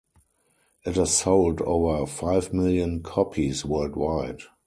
It has sold over five million copies worldwide.